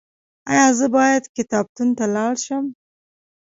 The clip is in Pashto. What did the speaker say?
ایا زه باید کتابتون ته لاړ شم؟